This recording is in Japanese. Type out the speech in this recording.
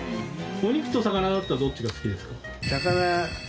お肉と魚だったらどっちが好きですか？